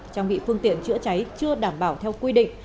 trang bị phương tiện chữa cháy chưa đảm bảo theo quy định